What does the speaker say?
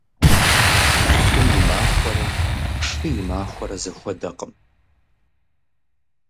ЛӀы и махуэрэ шы и махуэрэ зэхуэдэкъым.